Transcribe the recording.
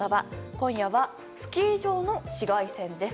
今夜はスキー場の紫外線です。